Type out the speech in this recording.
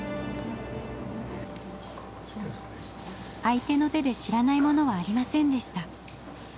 相手の手で知らないものはありませんでした。